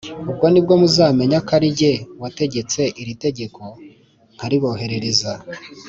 Ubwo ni bwo muzamenya ko ari jye wategetse iri tegeko nkariboherereza